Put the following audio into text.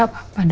aku mau tidur